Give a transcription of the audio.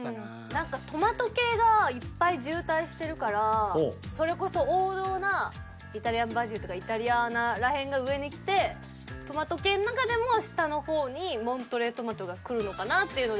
何かトマト系がいっぱい渋滞してるからそれこそ王道なイタリアンバジルとかイタリアーナら辺が上にきてトマト系の中でも下の方にモントレー・トマトがくるのかなっていうので。